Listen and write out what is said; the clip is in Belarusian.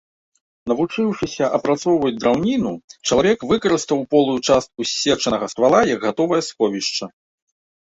Навучыўшыся апрацоўваць драўніну, чалавек выкарыстаў полую частку ссечанага ствала як гатовае сховішча.